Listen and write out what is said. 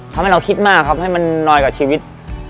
ทำให้เราคิดมากครับให้มันน้อยกับชีวิต